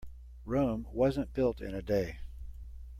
Rome wasn't built in a day.